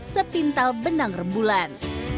sepintal benang rembulan